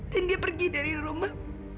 dan dia pergi dari rumah